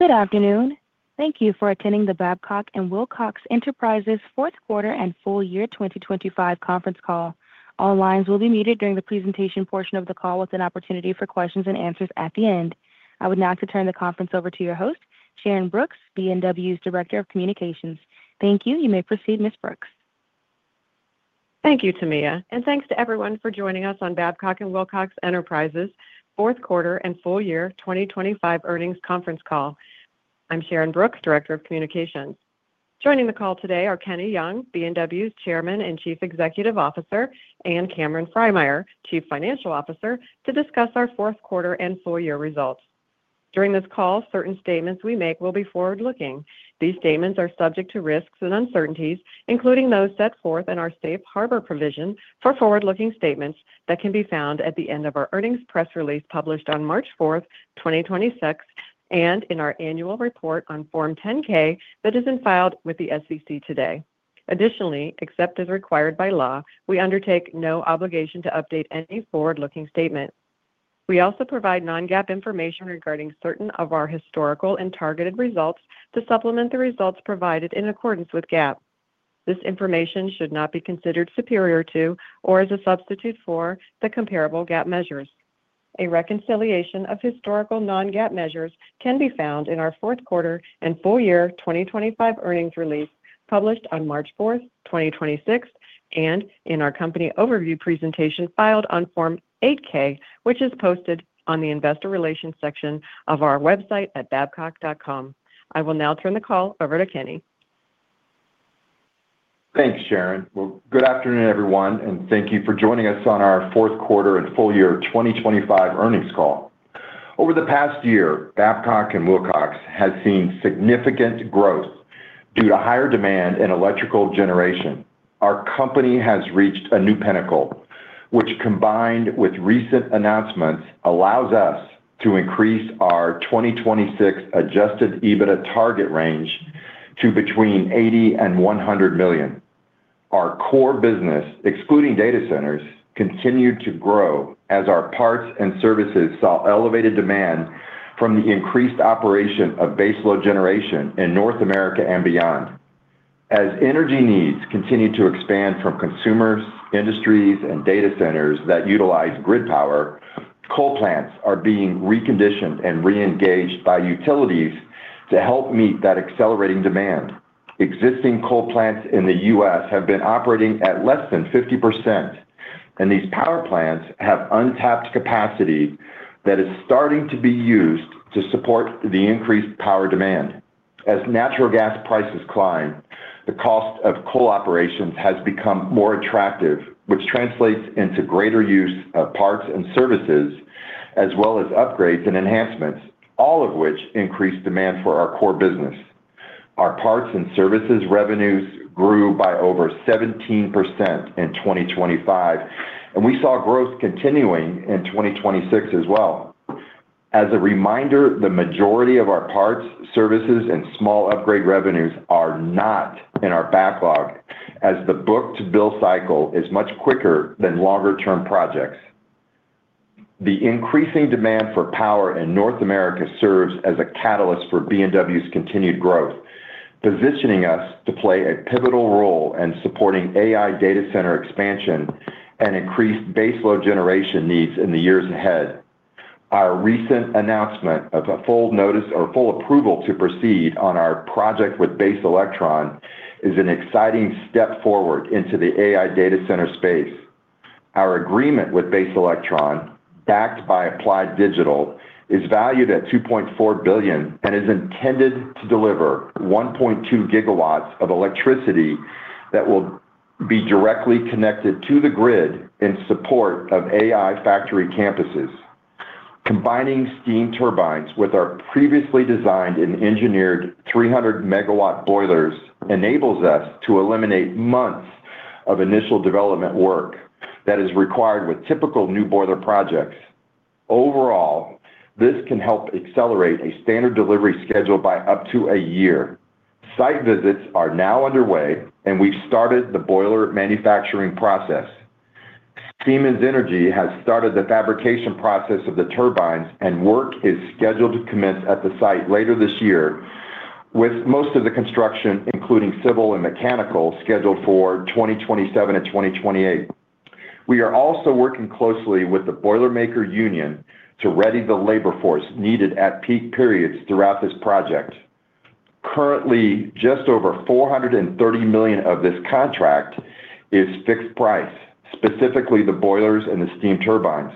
Good afternoon. Thank you for attending the Babcock & Wilcox Enterprises Fourth Quarter and Full Year 2025 Conference Call. All lines will be muted during the presentation portion of the call with an opportunity for questions and answers at the end. I would now like to turn the conference over to your host, Sharyn Brooks, B&W's Director of Communications. Thank you. You may proceed, Ms. Brooks. Thank you, Tamia. Thanks to everyone for joining us on Babcock & Wilcox Enterprises Fourth Quarter and Full Year 2025 Earnings Conference Call. I'm Sharyn Brooks, Director of Communications. Joining the call today are Kenny Young, B&W's Chairman and Chief Executive Officer, and Cameron Frymyer, Chief Financial Officer, to discuss our fourth quarter and full year results. During this call, certain statements we make will be forward-looking. These statements are subject to risks and uncertainties, including those set forth in our safe harbor provision for forward-looking statements that can be found at the end of our earnings press release published on March 4th, 2026, and in our annual report on Form 10-K that has been filed with the SEC today. Additionally, except as required by law, we undertake no obligation to update any forward-looking statement. We also provide non-GAAP information regarding certain of our historical and targeted results to supplement the results provided in accordance with GAAP. This information should not be considered superior to or as a substitute for the comparable GAAP measures. A reconciliation of historical non-GAAP measures can be found in our fourth quarter and full year 2025 earnings release published on March 4th, 2026 and in our company overview presentation filed on Form 8-K, which is posted on the investor relations section of our website at babcock.com. I will now turn the call over to Kenny. Thanks, Sharyn. Well, good afternoon, everyone, and thank you for joining us on our Fourth Quarter and Full Year 2025 Earnings Call. Over the past year, Babcock & Wilcox has seen significant growth due to higher demand in electrical generation. Our company has reached a new pinnacle, which combined with recent announcements, allows us to increase our 2026 adjusted EBITDA target range to between $80 million and $100 million. Our core business, excluding data centers, continued to grow as our parts and services saw elevated demand from the increased operation of baseload generation in North America and beyond. As energy needs continue to expand from consumers, industries, and data centers that utilize grid power, coal plants are being reconditioned and reengaged by utilities to help meet that accelerating demand. Existing coal plants in the US have been operating at less than 50%, and these power plants have untapped capacity that is starting to be used to support the increased power demand. As natural gas prices climb, the cost of coal operations has become more attractive, which translates into greater use of parts and services, as well as upgrades and enhancements, all of which increase demand for our core business. Our parts and services revenues grew by over 17% in 2025, and we saw growth continuing in 2026 as well. As a reminder, the majority of our parts, services, and small upgrade revenues are not in our backlog as the book-to-bill cycle is much quicker than longer-term projects. The increasing demand for power in North America serves as a catalyst for B&W's continued growth, positioning us to play a pivotal role in supporting AI data center expansion and increased baseload generation needs in the years ahead. Our recent announcement of a full notice or full approval to proceed on our project with Base Electron is an exciting step forward into the AI data center space. Our agreement with Base Electron, backed by Applied Digital, is valued at $2.4 billion and is intended to deliver 1.2GW of electricity that will be directly connected to the grid in support of AI factory campuses. Combining steam turbines with our previously designed and engineered 300MW boilers enables us to eliminate months of initial development work that is required with typical new boiler projects. Overall, this can help accelerate a standard delivery schedule by up to a year. Site visits are now underway, and we've started the boiler manufacturing process. Siemens Energy has started the fabrication process of the turbines, and work is scheduled to commence at the site later this year, with most of the construction, including civil and mechanical, scheduled for 2027 and 2028. We are also working closely with the Boilermaker Union to ready the labor force needed at peak periods throughout this project. Currently, just over $430 million of this contract is fixed price, specifically the boilers and the steam turbines.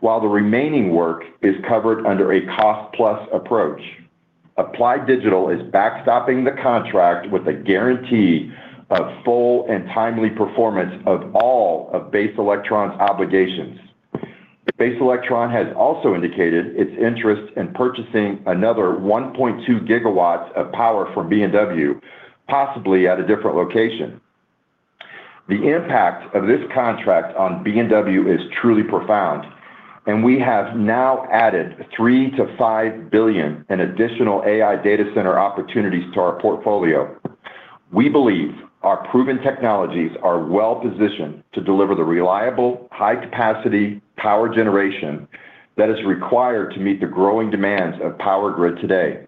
While the remaining work is covered under a cost-plus approach. Applied Digital is backstopping the contract with a guarantee of full and timely performance of all of Base Electron's obligations. Base Electron has also indicated its interest in purchasing another 1.2GW of power from B&W, possibly at a different location. The impact of this contract on B&W is truly profound, and we have now added $3 billion to $5 billion in additional AI data center opportunities to our portfolio. We believe our proven technologies are well positioned to deliver the reliable, high capacity power generation that is required to meet the growing demands of the power grid today.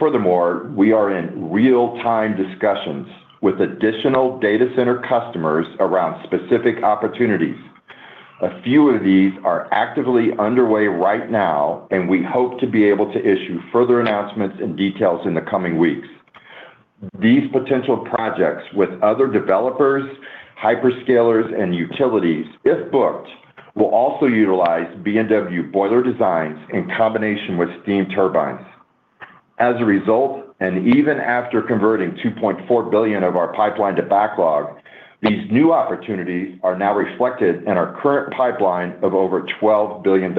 Furthermore, we are in real-time discussions with additional data center customers around specific opportunities. A few of these are actively underway right now, and we hope to be able to issue further announcements and details in the coming weeks. These potential projects with other developers, hyperscalers, and utilities, if booked, will also utilize B&W boiler designs in combination with steam turbines. As a result, and even after converting $2.4 billion of our pipeline to backlog, these new opportunities are now reflected in our current pipeline of over $12 billion.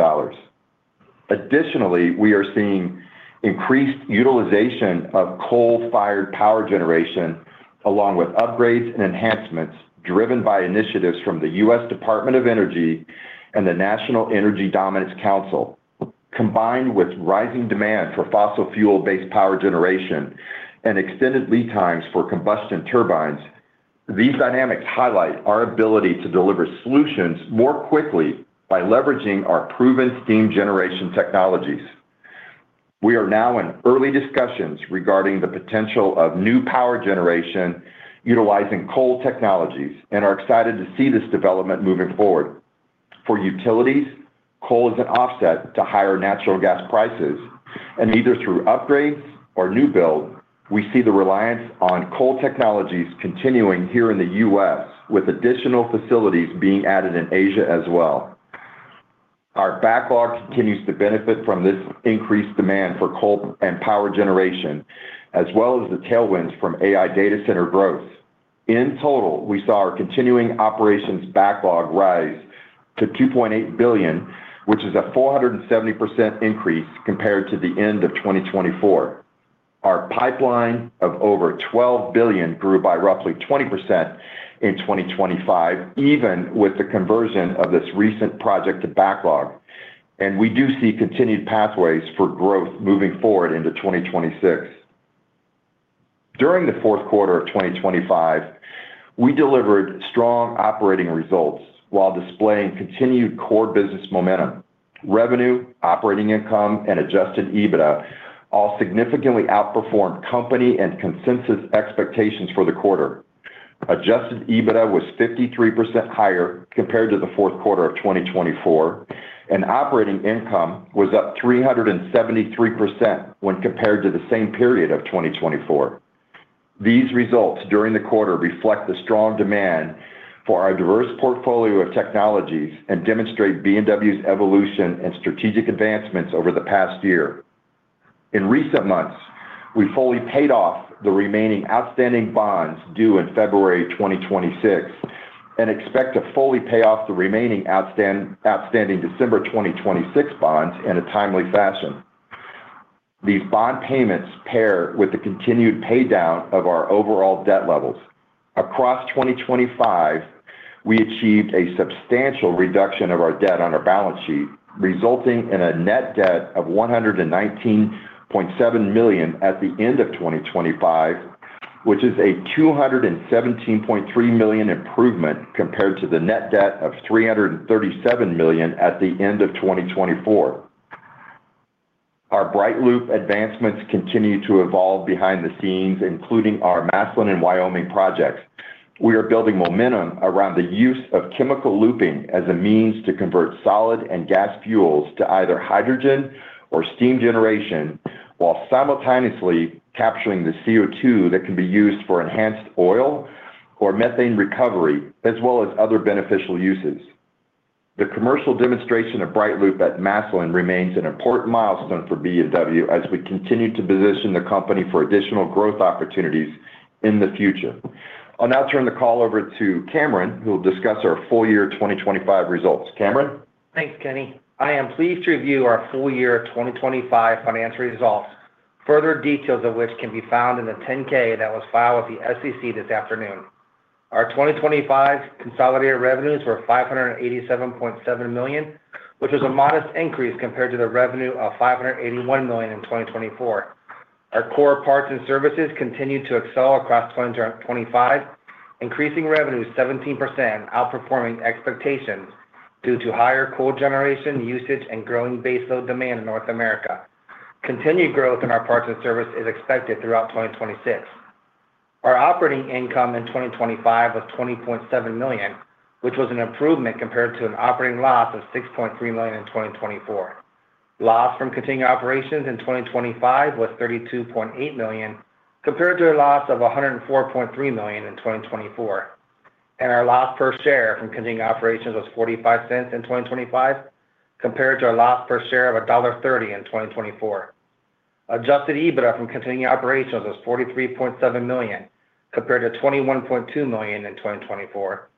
Additionally, we are seeing increased utilization of coal-fired power generation, along with upgrades and enhancements driven by initiatives from the US Department of Energy and the National Energy Dominance Council. Combined with rising demand for fossil fuel-based power generation and extended lead times for combustion turbines, these dynamics highlight our ability to deliver solutions more quickly by leveraging our proven steam generation technologies. We are now in early discussions regarding the potential of new power generation utilizing coal technologies and are excited to see this development moving forward. For utilities, coal is an offset to higher natural gas prices, and either through upgrades or new build, we see the reliance on coal technologies continuing here in the US, with additional facilities being added in Asia as well. Our backlog continues to benefit from this increased demand for coal and power generation, as well as the tailwinds from AI data center growth. In total, we saw our continuing operations backlog rise to $2.8 billion, which is a 470% increase compared to the end of 2024. Our pipeline of over $12 billion grew by roughly 20% in 2025, even with the conversion of this recent project to backlog, and we do see continued pathways for growth moving forward into 2026. During the fourth quarter of 2025, we delivered strong operating results while displaying continued core business momentum. Revenue, operating income, and adjusted EBITDA all significantly outperformed company and consensus expectations for the quarter. Adjusted EBITDA was 53% higher compared to the fourth quarter of 2024, and operating income was up 373% when compared to the same period of 2024. These results during the quarter reflect the strong demand for our diverse portfolio of technologies and demonstrate B&W's evolution and strategic advancements over the past year. In recent months, we fully paid off the remaining outstanding bonds due in February 2026 and expect to fully pay off the remaining outstanding December 2026 bonds in a timely fashion. These bond payments pair with the continued pay down of our overall debt levels. Across 2025, we achieved a substantial reduction of our debt on our balance sheet, resulting in a net debt of $119.7 million at the end of 2025, which is a $217.3 million improvement compared to the net debt of $337 million at the end of 2024. Our BrightLoop advancements continue to evolve behind the scenes, including our Massillon and Wyoming projects. We are building momentum around the use of chemical looping as a means to convert solid and gas fuels to either hydrogen or steam generation while simultaneously capturing the CO2 that can be used for enhanced oil or methane recovery, as well as other beneficial uses. The commercial demonstration of BrightLoop at Massillon remains an important milestone for B&W as we continue to position the company for additional growth opportunities in the future. I'll now turn the call over to Cameron, who will discuss our full year 2025 results. Cameron? Thanks, Kenny. I am pleased to review our full year 2025 financial results, further details of which can be found in the 10-K that was filed with the SEC this afternoon. Our 2025 consolidated revenues were $587.7 million, which was a modest increase compared to the revenue of $581 million in 2024. Our core parts and services continued to excel across 2025, increasing revenue 17%, outperforming expectations due to higher coal generation usage and growing baseload demand in North America. Continued growth in our parts and service is expected throughout 2026. Our operating income in 2025 was $20.7 million, which was an improvement compared to an operating loss of $6.3 million in 2024. Loss from continuing operations in 2025 was $32.8 million, compared to a loss of $104.3 million in 2024. Our loss per share from continuing operations was $0.45 in 2025, compared to a loss per share of $1.30 in 2024. Adjusted EBITDA from continuing operations was $43.7 million, compared to $21.2 million in 2024.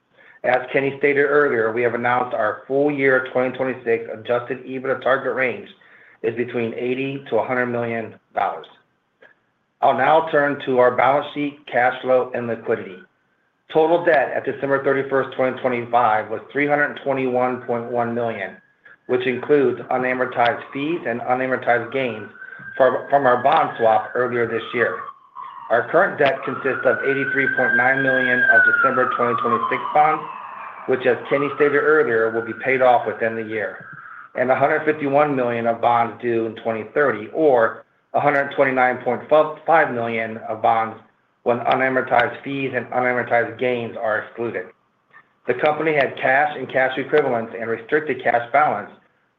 As Kenny stated earlier, we have announced our full year 2026 adjusted EBITDA target range is between $80 million to $100 million. I'll now turn to our balance sheet, cash flow, and liquidity. Total debt at December 31st, 2025 was $321.1 million, which includes unamortized fees and unamortized gains from our bond swap earlier this year. Our current debt consists of $83.9 million of December 2026 bonds, which as Kenny stated earlier, will be paid off within the year, and $151 million of bonds due in 2030 or $129.5 million of bonds when unamortized fees and unamortized gains are excluded. The company had cash and cash equivalents and restricted cash balance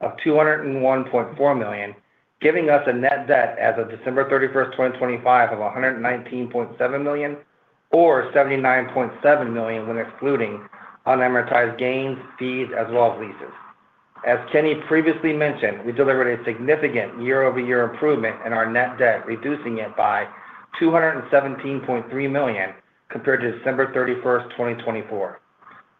of $201.4 million, giving us a net debt as of December 31, 2025 of $119.7 million or $79.7 million when excluding unamortized gains, fees, as well as leases. As Kenny previously mentioned, we delivered a significant year-over-year improvement in our net debt, reducing it by $217.3 million compared to December 31st, 2024.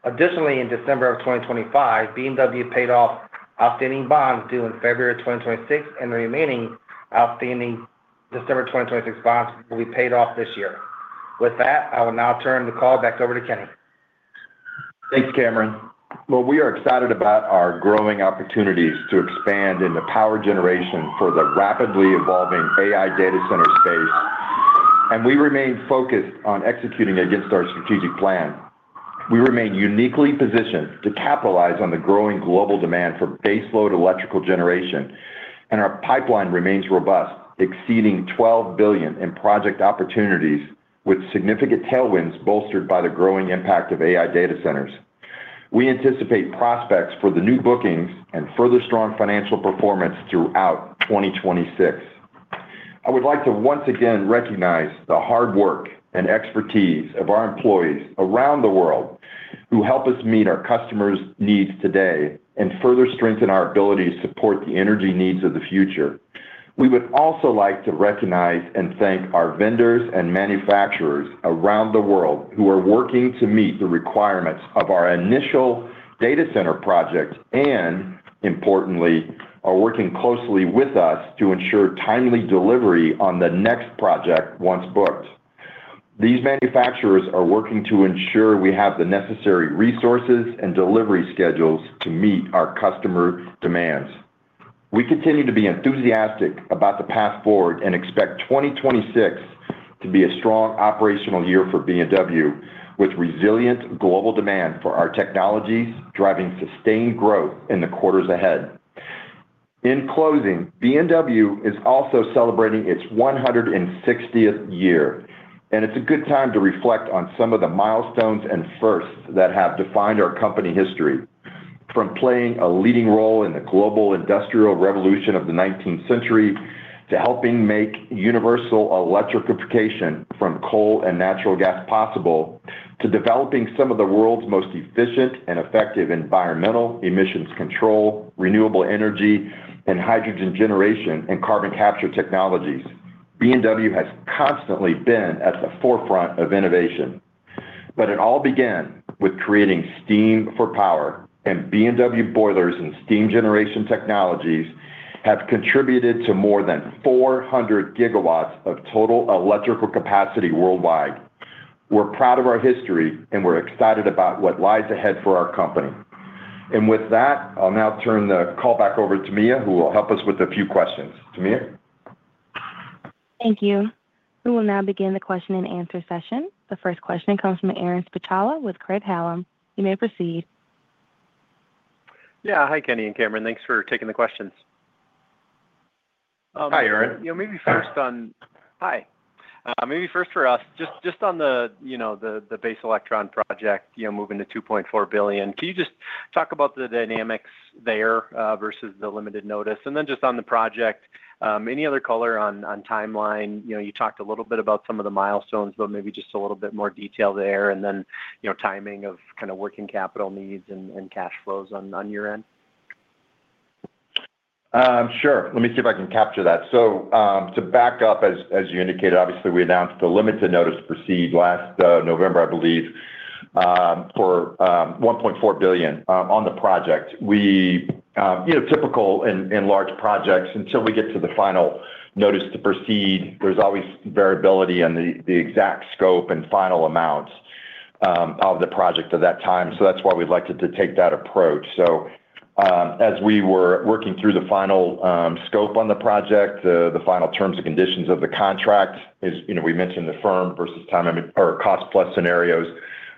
Additionally, in December of 2025, B&W paid off outstanding bonds due in February of 2026, and the remaining outstanding December 2026 bonds will be paid off this year. With that, I will now turn the call back over to Kenny. Thanks, Cameron. Well, we are excited about our growing opportunities to expand into power generation for the rapidly evolving AI data center space, and we remain focused on executing against our strategic plan. We remain uniquely positioned to capitalize on the growing global demand for baseload electrical generation, and our pipeline remains robust, exceeding $12 billion in project opportunities, with significant tailwinds bolstered by the growing impact of AI data centers. We anticipate prospects for the new bookings and further strong financial performance throughout 2026. I would like to once again recognize the hard work and expertise of our employees around the world who help us meet our customers' needs today and further strengthen our ability to support the energy needs of the future. We would also like to recognize and thank our vendors and manufacturers around the world who are working to meet the requirements of our initial data center project and, importantly, are working closely with us to ensure timely delivery on the next project once booked. These manufacturers are working to ensure we have the necessary resources and delivery schedules to meet our customer demands. We continue to be enthusiastic about the path forward and expect 2026 to be a strong operational year for B&W, with resilient global demand for our technologies driving sustained growth in the quarters ahead. In closing, B&W is also celebrating its 160th year, and it's a good time to reflect on some of the milestones and firsts that have defined our company history. From playing a leading role in the global industrial revolution of the nineteenth century, to helping make universal electrification from coal and natural gas possible, to developing some of the world's most efficient and effective environmental emissions control, renewable energy, and hydrogen generation and carbon capture technologies. B&W has constantly been at the forefront of innovation. It all began with creating steam for power, and B&W boilers and steam generation technologies have contributed to more than 400GW of total electrical capacity worldwide. We're proud of our history, and we're excited about what lies ahead for our company. With that, I'll now turn the call back over to Mia, who will help us with a few questions. Mia? Thank you. We will now begin the question and answer session. The first question comes from Aaron Spychalla with Craig-Hallum. You may proceed. Yeah. Hi, Kenny and Cameron. Thanks for taking the questions. Hi, Aaron. You know, maybe first for us, just on, you know, the Base Electron project, you know, moving to $2.4 billion. Can you just talk about the dynamics there versus the limited notice? Just on the project, any other color on timeline? You know, you talked a little bit about some of the milestones, but maybe just a little bit more detail there. You know, timing of kind of working capital needs and cash flows on your end. Sure. Let me see if I can capture that. To back up as you indicated, obviously, we announced a limited notice to proceed last November, I believe, for $1.4 billion on the project. We, you know, typical in large projects, until we get to the final notice to proceed, there's always variability in the exact scope and final amounts of the project at that time. That's why we elected to take that approach. As we were working through the final scope on the project, the final terms and conditions of the contract, as you know, we mentioned the firm versus time or cost-plus scenarios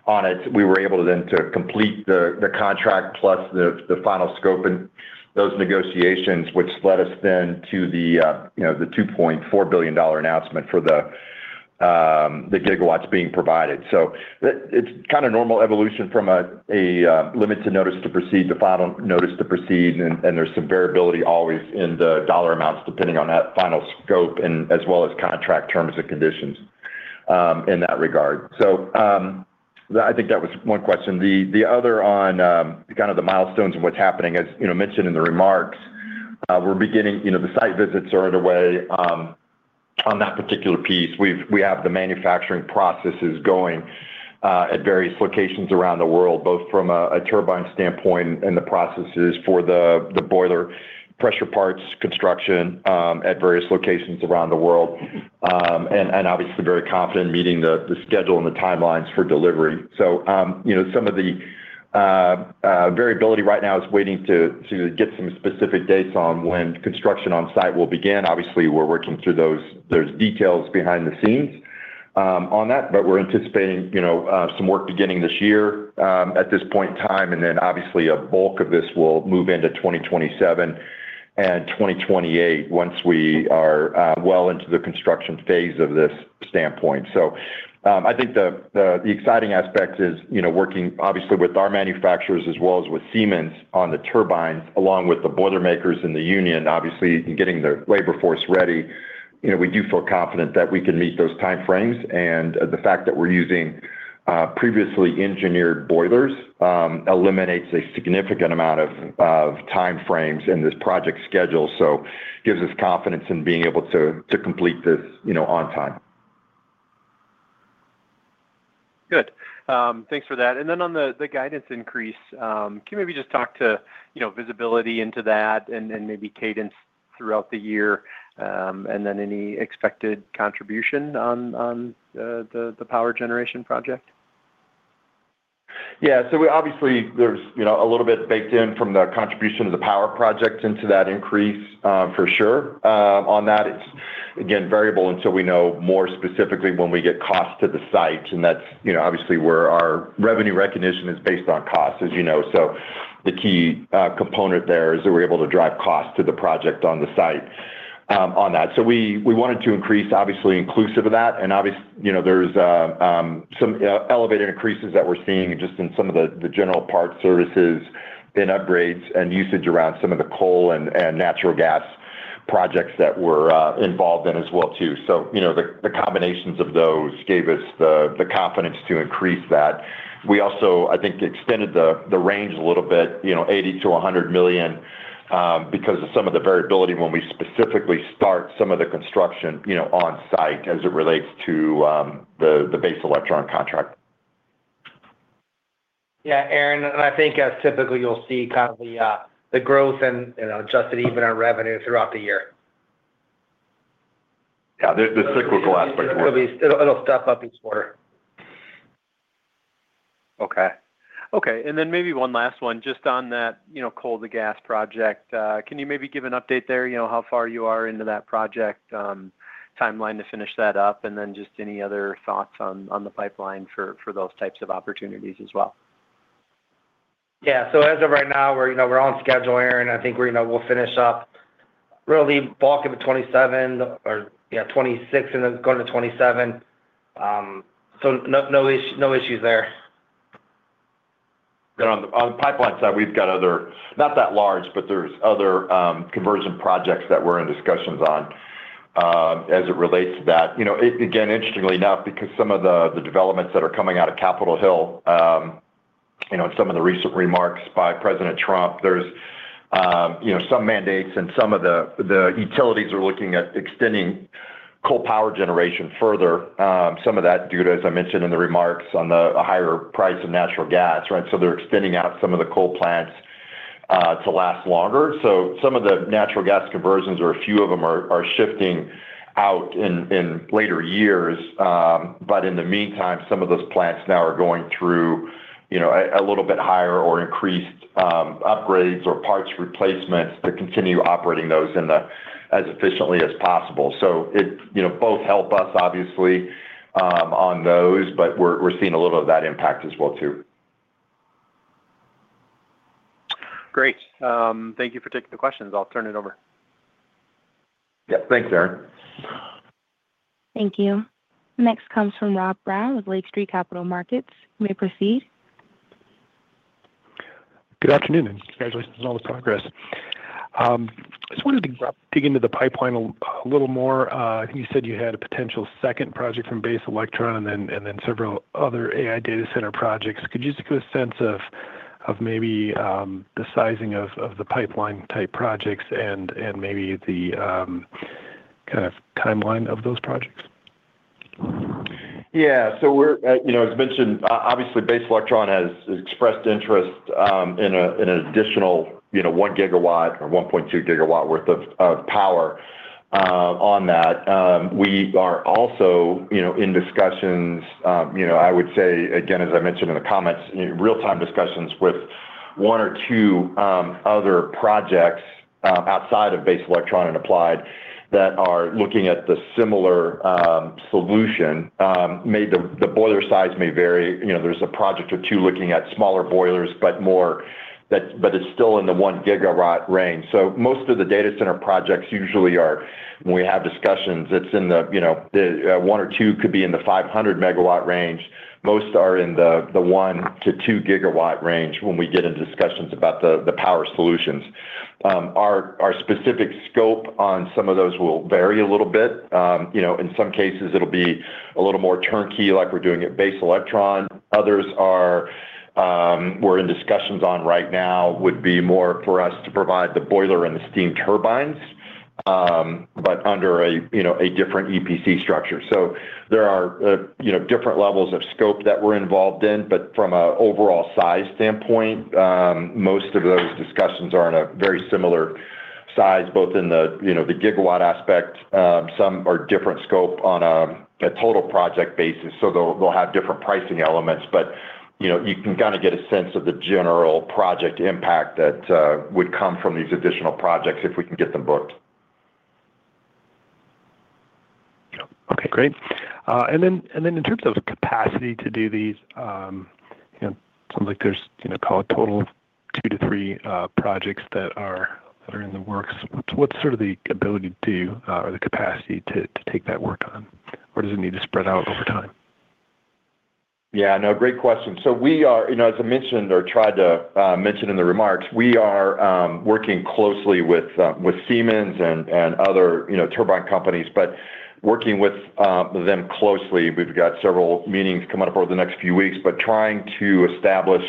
on it. We were able to then complete the contract plus the final scope and those negotiations, which led us then to the, you know, the $2.4 billion announcement for the GWs being provided. It's kind of normal evolution from a limited notice to proceed to final notice to proceed, and there's some variability always in the dollar amounts depending on that final scope and as well as contract terms and conditions in that regard. I think that was one question. The other on kind of the milestones of what's happening, as you know, mentioned in the remarks, we're beginning, you know, the site visits are underway on that particular piece. We have the manufacturing processes going at various locations around the world, both from a turbine standpoint and the processes for the boiler pressure parts construction at various locations around the world. Obviously very confident in meeting the schedule and the timelines for delivery. You know, some of the variability right now is waiting to get some specific dates on when construction on site will begin. Obviously, we're working through those details behind the scenes on that. We're anticipating, you know, some work beginning this year at this point in time, and then obviously a bulk of this will move into 2027 and 2028 once we are well into the construction phase of this standpoint. I think the exciting aspect is, you know, working obviously with our manufacturers as well as with Siemens on the turbines along with the boilermakers in the union, obviously, getting their labor force ready. You know, we do feel confident that we can meet those time frames, and the fact that we're using previously engineered boilers eliminates a significant amount of time frames in this project schedule. Gives us confidence in being able to complete this, you know, on time. Good. Thanks for that. Then on the guidance increase, can you maybe just talk to, you know, visibility into that and maybe cadence throughout the year, and then any expected contribution on the power generation project? Yeah. We obviously there's, you know, a little bit baked in from the contribution of the power project into that increase, for sure, on that. It's again variable until we know more specifically when we get cost to the site, and that's, you know, obviously where our revenue recognition is based on cost, as you know. The key component there is that we're able to drive cost to the project on the site, on that. We wanted to increase obviously inclusive of that. You know, there's some elevated increases that we're seeing just in some of the general parts services and upgrades and usage around some of the coal and natural gas projects that we're involved in as well too. You know, the combinations of those gave us the confidence to increase that. We also, I think, extended the range a little bit, you know, $80 million to $100 million, because of some of the variability when we specifically start some of the construction, you know, on site as it relates to the Base Electron contract. Yeah. Aaron, I think as typically you'll see kind of the growth and, you know, adjusted even on revenue throughout the year. Yeah. The cyclical aspect of it. It'll step up each quarter. Okay. Maybe one last one just on that, you know, coal to gas project. Can you maybe give an update there, you know, how far you are into that project, timeline to finish that up? Just any other thoughts on the pipeline for those types of opportunities as well. Yeah. As of right now we're, you know, we're on schedule, Aaron. I think we're, you know, we'll finish up really bulk of the 2027 or 2026 and then go into 2027. No issues there. On the pipeline side, we've got other, not that large, but there's other conversion projects that we're in discussions on, as it relates to that. You know, again, interestingly enough, because some of the developments that are coming out of Capitol Hill. You know, and some of the recent remarks by President Trump, there's you know, some mandates and some of the utilities are looking at extending coal power generation further, some of that due to, as I mentioned in the remarks, on the higher price of natural gas, right? They're extending out some of the coal plants to last longer. Some of the natural gas conversions or a few of them are shifting out in later years. In the meantime, some of those plants now are going through, you know, a little bit higher or increased upgrades or parts replacements to continue operating those in them as efficiently as possible. It, you know, both help us obviously on those, but we're seeing a little of that impact as well too. Great. Thank you for taking the questions. I'll turn it over. Yeah. Thanks, Aaron. Thank you. Next comes from Rob Brown with Lake Street Capital Markets. You may proceed. Good afternoon, and congratulations on all this progress. I just wanted to dig into the pipeline a little more. You said you had a potential second project from Base Electron and then several other AI data center projects. Could you just give a sense of maybe the sizing of the pipeline type projects and maybe the kind of timeline of those projects? Yeah. We're, you know, as mentioned, obviously, Base Electron has expressed interest in an additional, you know, 1 GW or 1.2 GW worth of power on that. We are also, you know, in discussions, you know, I would say, again, as I mentioned in the comments, real-time discussions with 1 or 2 other projects outside of Base Electron and Applied that are looking at the similar solution. The boiler size may vary. You know, there's a project or 2 looking at smaller boilers, but more but it's still in the 1 GW range. Most of the data center projects usually are, when we have discussions, it's in the, you know, 1 or 2 could be in the 500MW range. Most are in the 1-2 GW range when we get into discussions about the power solutions. Our specific scope on some of those will vary a little bit. You know, in some cases, it'll be a little more turnkey like we're doing at Base Electron. Others, we're in discussions on right now, would be more for us to provide the boiler and the steam turbines, but under a, you know, different EPC structure. There are, you know, different levels of scope that we're involved in, but from an overall size standpoint, most of those discussions are in a very similar size, both in the, you know, the gigawatt aspect, some are different scope on a total project basis, so they'll have different pricing elements. You know, you can kind of get a sense of the general project impact that would come from these additional projects if we can get them booked. Okay, great. In terms of capacity to do these, you know, it sounds like there's, you know, call it total of 2-3 projects that are in the works. What's sort of the ability to or the capacity to take that work on? Or does it need to spread out over time? Yeah. No, great question. We are, you know, as I mentioned or tried to mention in the remarks, we are working closely with Siemens and other, you know, turbine companies. Working with them closely, we've got several meetings coming up over the next few weeks, trying to establish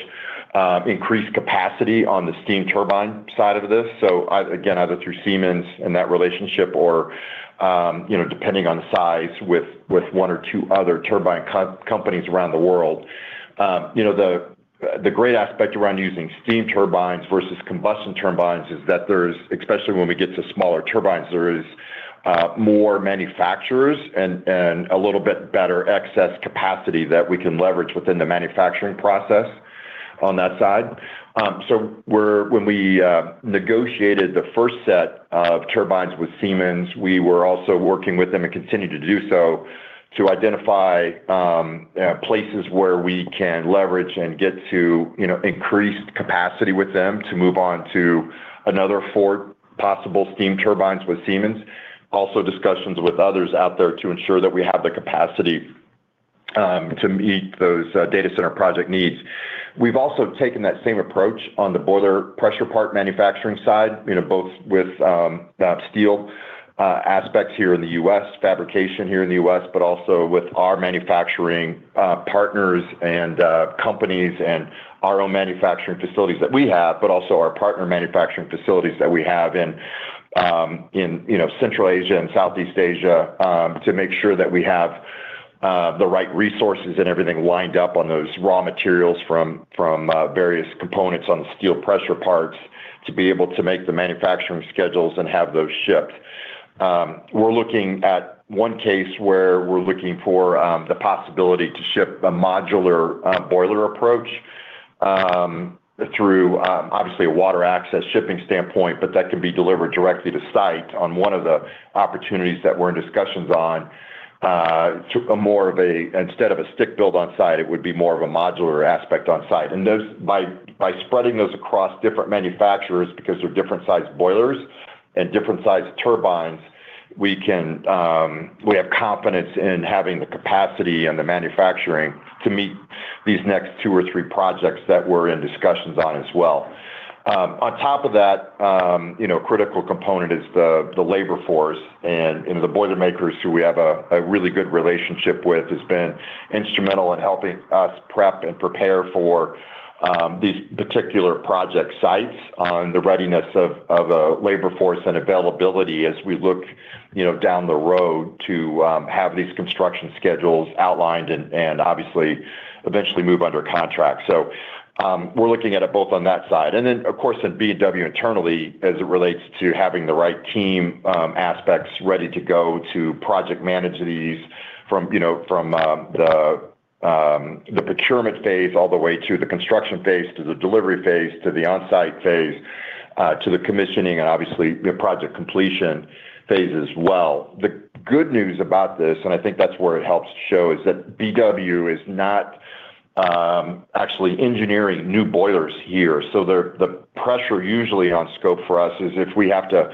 increased capacity on the steam turbine side of this. Either again, either through Siemens and that relationship or, you know, depending on size with one or two other turbine companies around the world. You know, the great aspect around using steam turbines versus combustion turbines is that there's. Especially when we get to smaller turbines, there is more manufacturers and a little bit better excess capacity that we can leverage within the manufacturing process on that side. When we negotiated the first set of turbines with Siemens, we were also working with them, and continue to do so, to identify places where we can leverage and get to, you know, increased capacity with them to move on to another four possible steam turbines with Siemens. Also, discussions with others out there to ensure that we have the capacity to meet those data center project needs. We've also taken that same approach on the boiler pressure part manufacturing side, you know, both with steel aspects here in the US, fabrication here in the US, but also with our manufacturing partners and companies and our own manufacturing facilities that we have, but also our partner manufacturing facilities that we have in you know, Central Asia and Southeast Asia, to make sure that we have the right resources and everything lined up on those raw materials from various components on the steel pressure parts to be able to make the manufacturing schedules and have those shipped. We're looking at one case where we're looking for the possibility to ship a modular boiler approach through obviously a water access shipping standpoint, but that can be delivered directly to site on one of the opportunities that we're in discussions on to a more of instead of a stick build on site. It would be more of a modular aspect on site. Those by spreading those across different manufacturers because they're different sized boilers and different sized turbines, we have confidence in having the capacity and the manufacturing to meet these next two or three projects that we're in discussions on as well. On top of that, you know, critical component is the labor force and, you know, the Boilermakers who we have a really good relationship with has been instrumental in helping us prep and prepare for these particular project sites on the readiness of a labor force and availability as we look, you know, down the road to have these construction schedules outlined and obviously eventually move under contract. We're looking at it both on that side. Of course, at B&W internally as it relates to having the right team aspects ready to go to project manage these from the procurement phase, all the way to the construction phase, to the delivery phase, to the onsite phase, to the commissioning and obviously the project completion phase as well. The good news about this, and I think that's where it helps show, is that B&W is not actually engineering new boilers here. The pressure usually on scope for us is if we have to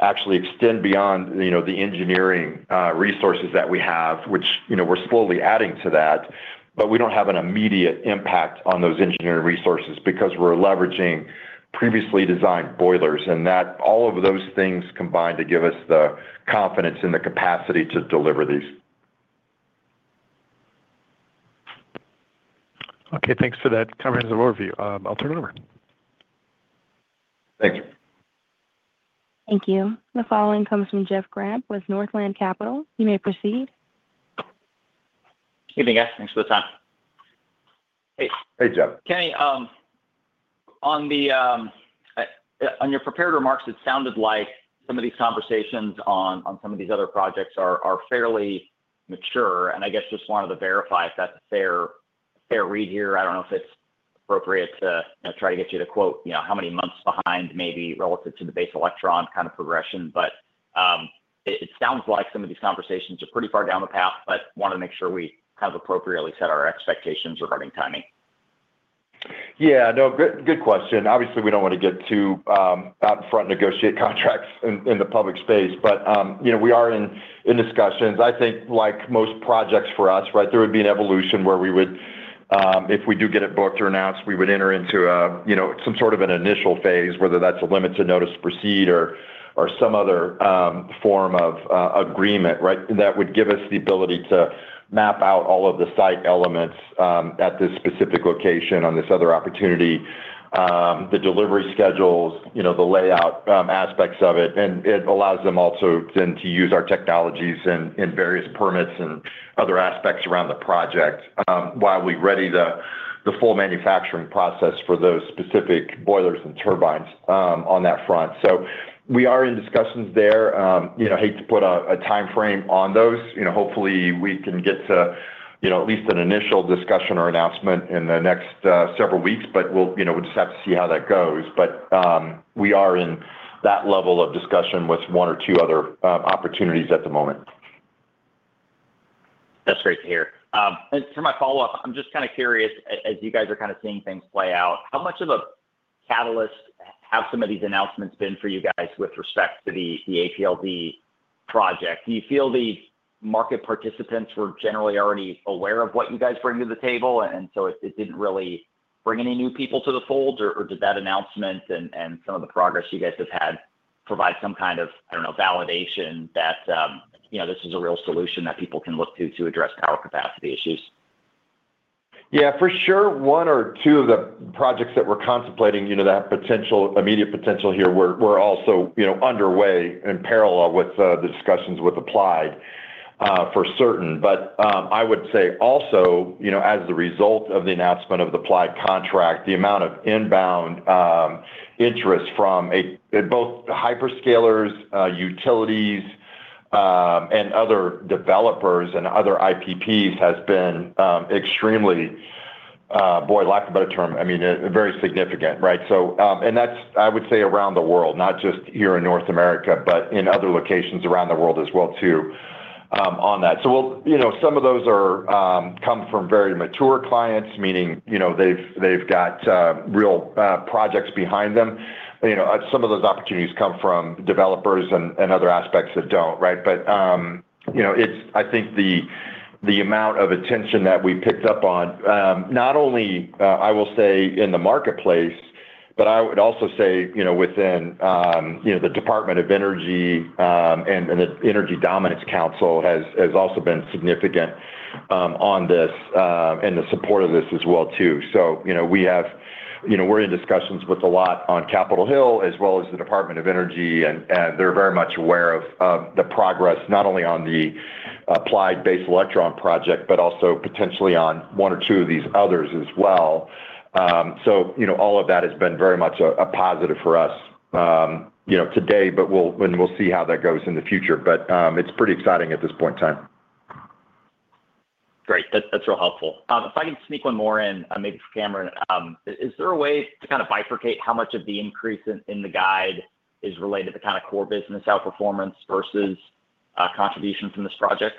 actually extend beyond, you know, the engineering resources that we have, which, you know, we're slowly adding to that, but we don't have an immediate impact on those engineering resources because we're leveraging previously designed boilers. That all of those things combine to give us the confidence and the capacity to deliver these. Okay. Thanks for that comprehensive overview. I'll turn it over. Thank you. Thank you. The following comes from Jeff Grant with Northland Capital. You may proceed. Good evening, guys. Thanks for the time. Hey. Hey, Jeff. Kenny, on your prepared remarks, it sounded like some of these conversations on some of these other projects are fairly mature, and I guess just wanted to verify if that's a fair read here. I don't know if it's appropriate to, you know, try to get you to quote, you know, how many months behind maybe relative to the Base Electron kind of progression. It sounds like some of these conversations are pretty far down the path, but want to make sure we kind of appropriately set our expectations regarding timing. Yeah. No, good question. Obviously, we don't want to get too out in front to negotiate contracts in the public space. You know, we are in discussions. I think like most projects for us, right, there would be an evolution where we would if we do get it booked or announced, we would enter into you know, some sort of an initial phase, whether that's a limited notice to proceed or some other form of agreement, right? That would give us the ability to map out all of the site elements at this specific location on this other opportunity, the delivery schedules, you know, the layout, aspects of it. It allows them also then to use our technologies in various permits and other aspects around the project, while we ready the full manufacturing process for those specific boilers and turbines, on that front. We are in discussions there. You know, hate to put a timeframe on those. You know, hopefully we can get to, you know, at least an initial discussion or announcement in the next several weeks, but we'll. You know, we'll just have to see how that goes. We are in that level of discussion with one or two other opportunities at the moment. That's great to hear. For my follow-up, I'm just kinda curious, as you guys are kinda seeing things play out, how much of a catalyst have some of these announcements been for you guys with respect to the APLD project? Do you feel the market participants were generally already aware of what you guys bring to the table, and so it didn't really bring any new people to the fold? Or did that announcement and some of the progress you guys have had provide some kind of, I don't know, validation that, you know, this is a real solution that people can look to to address power capacity issues? Yeah, for sure, one or two of the projects that we're contemplating, you know, that have potential, immediate potential here were also, you know, underway in parallel with the discussions with Applied for certain. But I would say also, you know, as the result of the announcement of the Applied contract, the amount of inbound interest from both hyperscalers, utilities, and other developers and other IPPs has been extremely, for lack of a better term. I mean, very significant, right? So that's, I would say, around the world, not just here in North America, but in other locations around the world as well too, on that. You know, some of those come from very mature clients, meaning, you know, they've got real projects behind them. You know, some of those opportunities come from developers and other aspects that don't, right? You know, it's, I think, the amount of attention that we picked up on, not only, I will say, in the marketplace, but I would also say, you know, within, you know, the Department of Energy and the National Energy Dominance Council has also been significant on this and the support of this as well too. You know, we have. You know, we're in discussions with a lot on Capitol Hill as well as the Department of Energy and they're very much aware of the progress, not only on the Applied Digital Base Electron project, but also potentially on one or two of these others as well. You know, all of that has been very much a positive for us, you know, today, but we'll see how that goes in the future. It's pretty exciting at this point in time. Great. That's real helpful. If I can sneak one more in, maybe for Cameron. Is there a way to kind of bifurcate how much of the increase in the guide is related to kind of core business outperformance versus contributions from this project?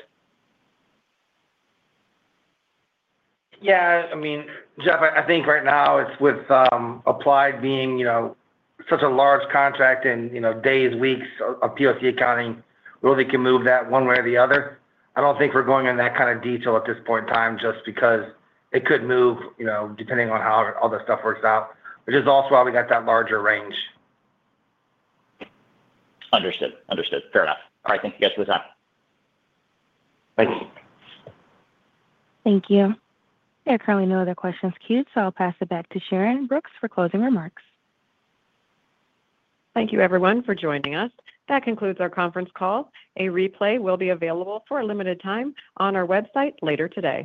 Yeah. I mean, Jeff, I think right now it's with Applied being, you know, such a large contract and, you know, days, weeks of POC accounting, really can move that one way or the other. I don't think we're going in that kind of detail at this point in time just because it could move, you know, depending on how all the stuff works out, which is also why we got that larger range. Understood. Fair enough. All right, thank you guys for the time. Thank you. Thank you. Thank you. There are currently no other questions queued, so I'll pass it back to Sharyn Brooks for closing remarks. Thank you everyone for joining us. That concludes our conference call. A replay will be available for a limited time on our website later today.